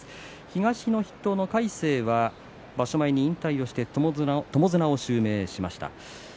東の筆頭の魁聖は場所前に引退しまして友綱を襲名しました。